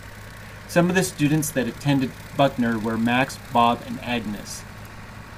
Some of the students that attend Buckner were Max, Bob, and Agnes.